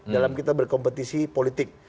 dalam kita berkompetisi politik